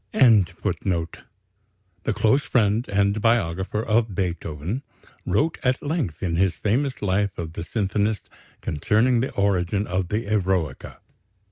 Anton Schindler, the close friend and biographer of Beethoven, wrote at length in his famous Life of the symphonist concerning the origin of the Eroica.